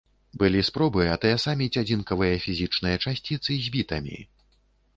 Былі спробы атаясаміць адзінкавыя фізічныя часціцы з бітамі.